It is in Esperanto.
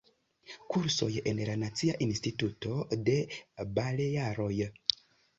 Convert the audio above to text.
Kursoj en la Nacia Instituto de Balearoj.